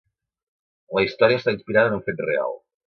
La història està inspirada en un fet real.